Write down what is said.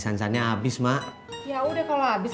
hasilnya habis mak yaudah kalau abis